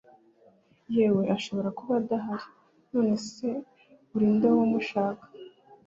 yewe ashobora kuba adahari none se urinde wowe umushaka